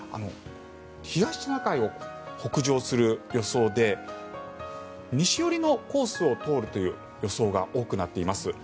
東シナ海を北上する予想で西寄りのコースを通るという予想が多くなっています。